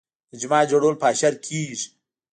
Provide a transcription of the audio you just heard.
د جومات جوړول په اشر کیږي.